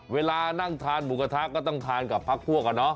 เวลานั่งทานหมูกระทะก็ต้องทานกับพักพวก